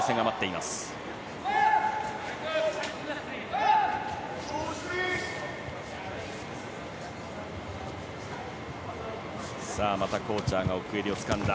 またコーチャーが奥襟をつかんだ。